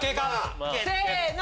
せの！